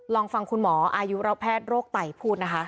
ลองฟังคุณหมออายุเราแพทย์โรคไตพูดนะคะ